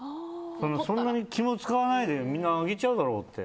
そんなに気も使わないでみんな上げちゃうだろうって。